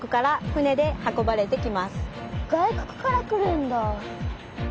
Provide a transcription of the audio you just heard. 外国から来るんだ！